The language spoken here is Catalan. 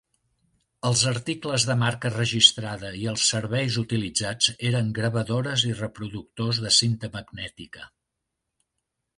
Els articles de marca registrada i els serveis utilitzats eren gravadores i reproductors de cinta magnètica.